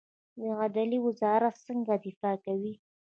د عدلیې وزارت څنګه دفاع کوي؟